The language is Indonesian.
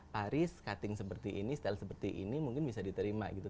paris cutting seperti ini style seperti ini mungkin bisa diterima gitu